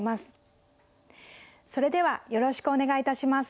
それではよろしくお願い致します。